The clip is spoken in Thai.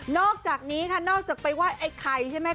อกจากนี้ค่ะนอกจากไปไหว้ไอ้ไข่ใช่ไหม